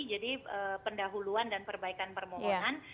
jadi pendahuluan dan perbaikan permohonan